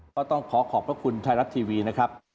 ก็ต้องขอขอบพระคุณไทยรัฐทีวีนะครับ